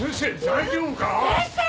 大丈夫か？